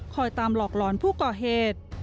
ตามหลอกหลอนผู้ก่อเหตุ